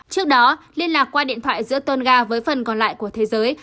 trước đó liên lạc qua điện thoại giữa tonga với phần còn lại của thế giới